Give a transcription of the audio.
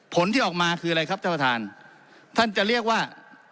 ผลที่ออกมาคืออะไรครับท่านประธานท่านจะเรียกว่า